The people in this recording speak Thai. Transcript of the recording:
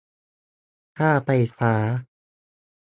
ค่าไฟฟ้า